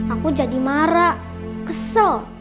aku jadi marah kesel